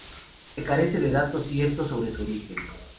Se carece de datos ciertos sobre su origen.